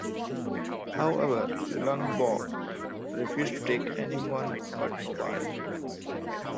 However Lundborg refused to take anyone but Nobile.